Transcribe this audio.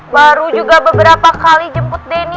baru juga beberapa kali jemput denny